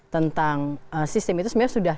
tentang sistem itu sebenarnya sudah